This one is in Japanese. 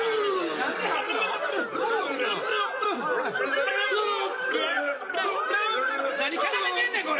何奏でてんねんこれ。